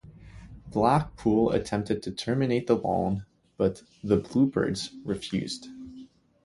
Blackpool attempted to terminate the loan, but "the Bluebirds" refused.